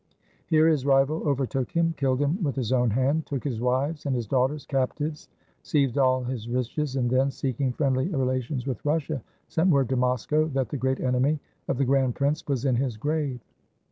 Here his rival overtook him, killed him with his own hand, took his wives and his daughters captives, seized all his riches, and then, seeking friendly relations with Russia, sent word to Moscow that the great enemy of the grand prince was in his grave.